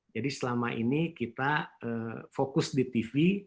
jadi selama ini kita fokus di tv